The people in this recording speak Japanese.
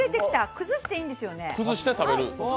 崩していいんですよね？